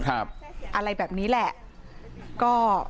อะไรแบบนี้แล้ว